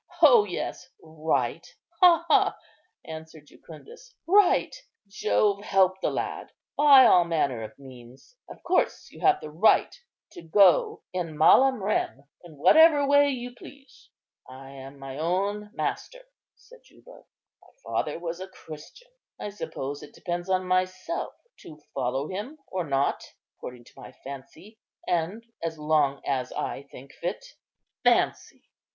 O yes, right! ha, ha!" answered Jucundus, "right! Jove help the lad! by all manner of means. Of course, you have a right to go in malam rem in whatever way you please." "I am my own master," said Juba; "my father was a Christian. I suppose it depends on myself to follow him or not, according to my fancy, and as long as I think fit." "Fancy!